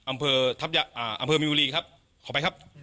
อำเผอทรัพยาอ่าอำเผอมิบุรีครับขอไปครับ